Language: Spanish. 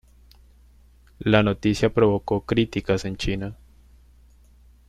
La noticia provocó críticas en China.